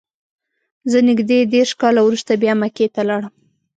زه نږدې دېرش کاله وروسته بیا مکې ته لاړم.